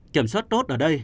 kiểm soát tốt ở đây